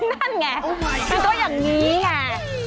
นั่นไงมันก็อย่างนี้ไง